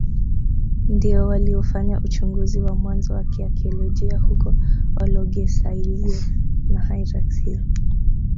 Ndio waliofanya uchunguzi wa mwanzo wa kiakiolojia huko Olorgesailie na Hyrax Hill